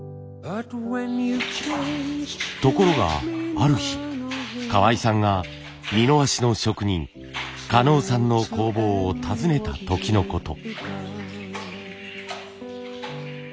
ところがある日河合さんが美濃和紙の職人加納さんの工房を訪ねた時のこと。